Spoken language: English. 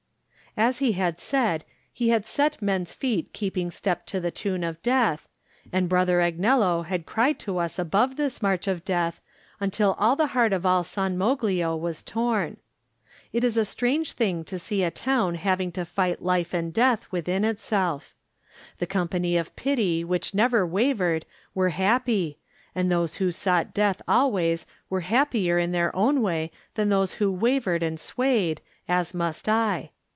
As he had said, he had set men's feet keeping step to the tune of death, and Brother Agnello had cried to us above this march of death until all the heart of all San Moglio was torn. It is a strange thing to see a town having to fight life and death within itself. The company of pity which never wavered were happy, and those who sought death always were happier in their own way than those who wavered and swayed, as must I.